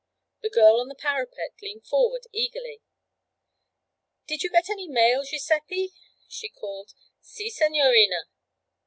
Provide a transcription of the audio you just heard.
The girl on the parapet leaned forward eagerly. 'Did you get any mail, Giuseppe?' she called. 'Si, signorina.'